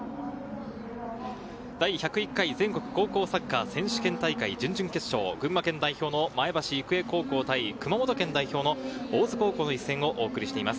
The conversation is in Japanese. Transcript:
第１０１回全国高校サッカー選手権大会、準々決勝、群馬県代表の前橋育英高校対熊本県代表の大津高校の一戦をお送りしています。